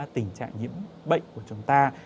tình trạng nhiễm bệnh của chúng ta